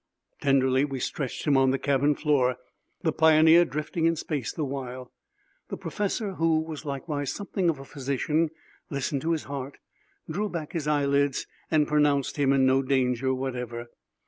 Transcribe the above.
Tenderly we stretched him on the cabin floor, the Pioneer drifting in space the while. The professor, who was likewise something of a physician, listened to his heart, drew back his eyelids, and pronounced him in no danger whatever.